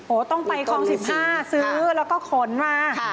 ต้องไปคลอง๑๕ซื้อแล้วก็ขนมา